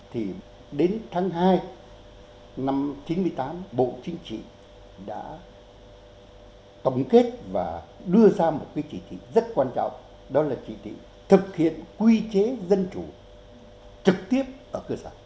thì đến tháng hai năm chín mươi tám bộ chính trị đã tổng kết và đưa ra một cái chỉ thị rất quan trọng đó là chỉ thị thực hiện quy chế dân chủ trực tiếp ở cơ sở